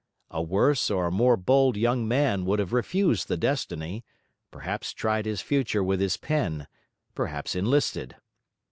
A worse or a more bold young man would have refused the destiny; perhaps tried his future with his pen; perhaps enlisted.